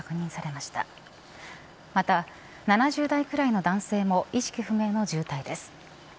また、７０代くらいの男性も意識不明の重体です。